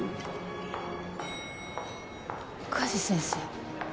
加地先生。